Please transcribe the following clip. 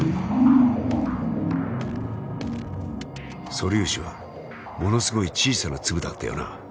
素粒子はものすごい小さな粒だったよな。